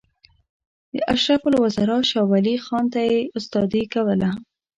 د اشرف الوزرا شاولي خان ته یې استادي کوله.